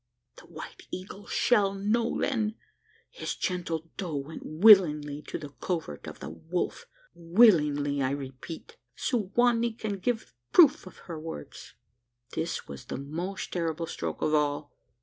"The White Eagle shall know then. His gentle doe went willingly to the covert of the wolf willingly, I repeat. Su wa nee can give proof of her words." This was the most terrible stroke of all.